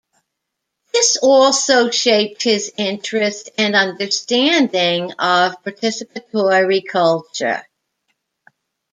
This also shaped his interest and understanding of participatory culture.